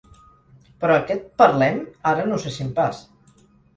Però aquest “parlem” ara no se sent pas.